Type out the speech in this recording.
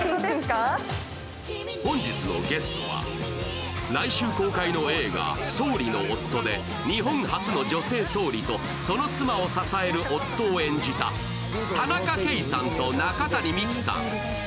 本日のゲストは来週公開の映画「総理の夫」で日本初の女性総理と、その妻を支える夫を演じた田中圭さんと中谷美紀さん。